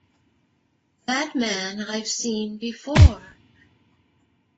That man I’ve seen before.